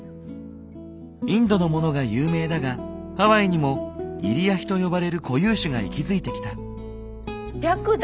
インドのものが有名だがハワイにも「イリアヒ」と呼ばれる固有種が息づいてきた。